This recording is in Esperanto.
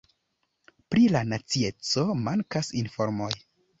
Pri la nacieco mankas informoj.